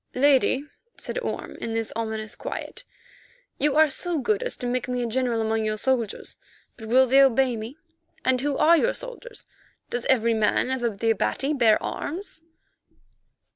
"Lady," said Orme in this ominous quiet, "you are so good as to make me a general among your soldiers, but will they obey me? And who are your soldiers? Does every man of the Abati bear arms?"